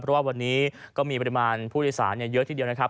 เพราะว่าวันนี้ก็มีปริมาณผู้โดยสารเยอะทีเดียวนะครับ